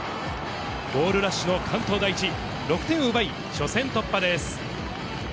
ゴールラッシュの関東第一、６点を奪い、初戦突破です。